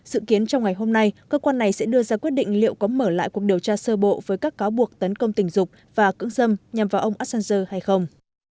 dự kiến trong ngày hôm nay cơ quan này sẽ đưa ra quyết định liệu có mở lại cuộc điều tra sơ bộ với các cáo buộc tấn công tình dục và cưỡng dâm nhằm vào ông assanger hay không